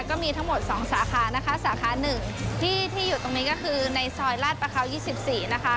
ก็มีทั้งหมดสองสาขานะคะสาขาหนึ่งที่ที่อยู่ตรงนี้ก็คือในซอยลาดประเขา๒๔นะคะ